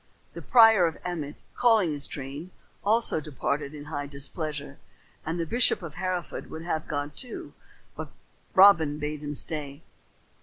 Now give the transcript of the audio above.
The prior of Emmet, calling his train, also departed in high displeasure, and the bishop of Hereford would have gone too, but Robin bade him stay.